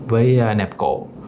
với nạp cố